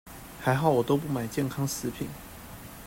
還好我都不買健康食品